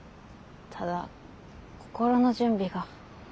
ただ心の準備が。